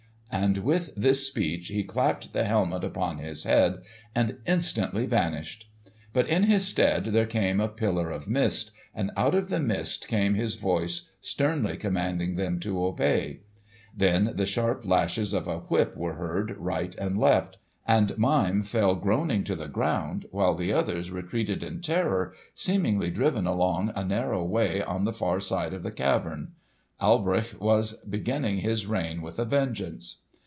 And with this speech he clapped the helmet upon his head and instantly vanished. But in his stead there came a pillar of mist, and out of the mist came his voice sternly commanding them to obey. Then the sharp lashes of a whip were heard right and left; and Mime fell groaning to the ground while the others retreated in terror, seemingly driven along a narrow way on the far side of the cavern. Alberich was beginning his reign with a vengeance!